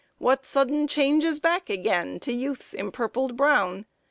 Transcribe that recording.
What sudden changes back again, to youth's empurpled brown!